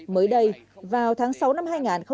mới đây vào tháng sáu năm hai nghìn hai mươi ba